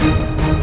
aku akan menang